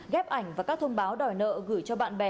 ghép ảnh và các thông báo đòi nợ gửi cho bạn bè